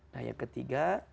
nah yang ketiga